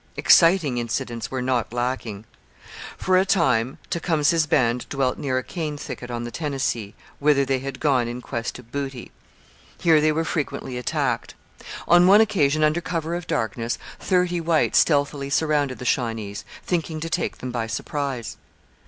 Exciting incidents were not lacking. For a time Tecumseh's band dwelt near a cane thicket on the Tennessee, whither they had gone in quest of booty. Here they were frequently attacked. On one occasion, under cover of darkness, thirty whites stealthily surrounded the Shawnees, thinking to take them by surprise.